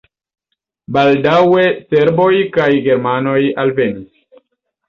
Baldaŭe serboj kaj germanoj alvenis.